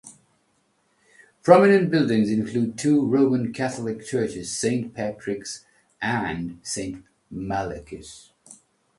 Prominent buildings include two Roman Catholic churches, Saint Patrick's and Saint Malachy's.